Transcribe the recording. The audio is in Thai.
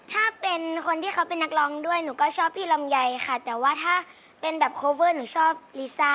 ถ้าเป็นคนที่เขาเป็นนักร้องด้วยหนูก็ชอบพี่ลำไยค่ะแต่ว่าถ้าเป็นแบบโคเวอร์หนูชอบลิซ่า